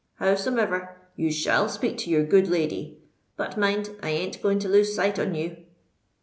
Howsomever, you shall speak to your good lady; but mind, I ain't going to lose sight on you."